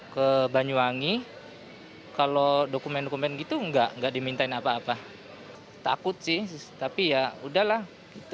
ke banyuwangi kalau dokumen dokumen gitu enggak enggak dimintain apa apa takut sih tapi ya udahlah